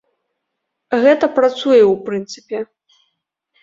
Гэта працуе ў прынцыпе.